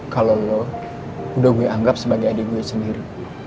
kalau lo udah gue anggap sebagai adik gue sendiri